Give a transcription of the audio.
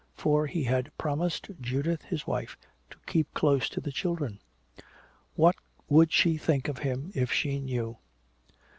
For he had promised Judith his wife to keep close to the children. What would she think of him if she knew?